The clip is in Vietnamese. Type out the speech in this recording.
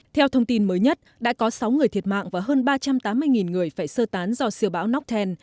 theo thông tin mới nhất đã có sáu người thiệt mạng và hơn ba trăm tám mươi người phải sơ tán do siêu bão nóc then